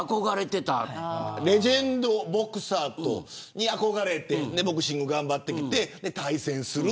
レジェンドボクサーに憧れてボクシング頑張ってきて対戦する。